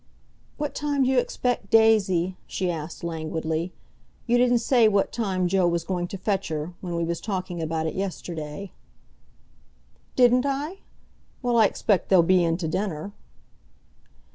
"What time d'you expect Daisy?" she asked languidly. "You didn't say what time Joe was going to fetch her, when we was talking about it yesterday." "Didn't I? Well, I expect they'll be in to dinner."